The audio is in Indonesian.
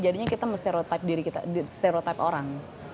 jadinya kita men stereotype diri kita men stereotype orang